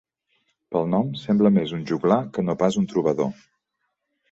Pel nom, sembla més un joglar que no pas un trobador.